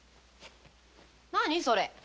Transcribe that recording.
何それ？